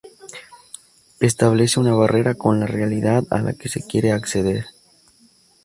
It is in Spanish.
Establece una barrera con la realidad a la que se quiere acceder.